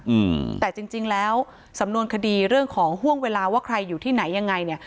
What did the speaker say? อืมแต่จริงจริงแล้วสำนวนคดีเรื่องของห่วงเวลาว่าใครอยู่ที่ไหนยังไงเนี่ย